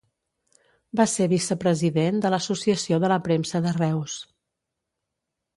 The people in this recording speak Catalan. Va ser vicepresident de l'Associació de la Premsa de Reus.